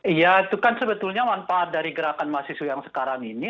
iya itu kan sebetulnya manfaat dari gerakan mahasiswa yang sekarang ini